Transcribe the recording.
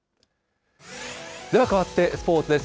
ではかわってスポーツです。